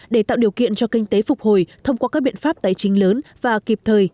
để tạo điều kiện cho kinh tế phục hồi thông qua các biện pháp tài chính lớn và kịp thời